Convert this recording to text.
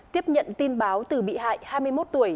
tiếp nhận tin báo từ bị hại hai mươi một tuổi